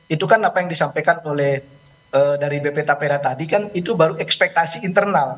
itu kan apa yang disampaikan oleh dari bp tapera tadi kan itu baru ekspektasi internal